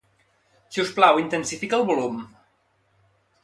Si us plau, intensifica el volum.